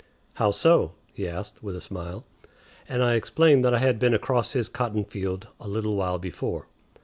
"How so?" he asked, with a smile; and I explained that I had been across his cotton field a little while before.